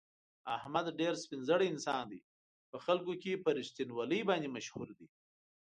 احمد ډېر سپین زړی انسان دی، په خلکو کې په رښتینولي باندې مشهور دی.